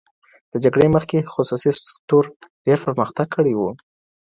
د جګړي مخکي خصوصي سکتور ډېر پرمختګ کړی و.